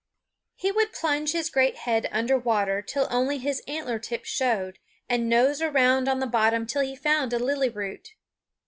He would plunge his great head under water till only his antler tips showed, and nose around on the bottom till he found a lily root.